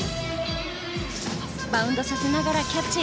バウンドさせながらキャッチ。